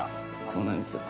そうなんですよ。